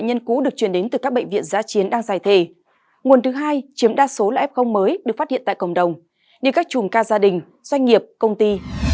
nguồn thứ hai chiếm đa số là f mới được phát hiện tại cộng đồng như các chùm ca gia đình doanh nghiệp công ty